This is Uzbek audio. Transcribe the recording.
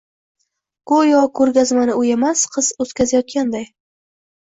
Goʻyo koʻrgazmani u emas, qiz oʻtkazayotganday.